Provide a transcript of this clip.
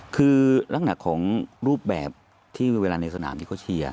คือร่างหนักของรูปแบบที่เวลาในสนามที่เขาเชียร์